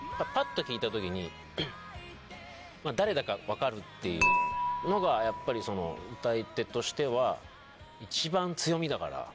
パッと聴いた時に誰だか分かるっていうのがやっぱり歌い手としては一番強みだから。